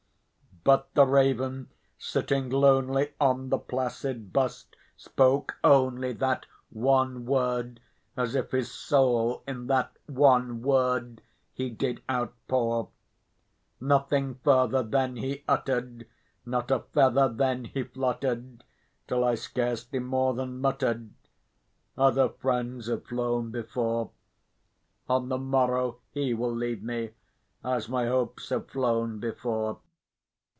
But the raven, sitting lonely on the placid bust, spoke only That one word, as if his soul in that one word he did outpour. Nothing further then he uttered not a feather then he fluttered Till I scarcely more than muttered, "other friends have flown before On the morrow he will leave me, as my hopes have flown before."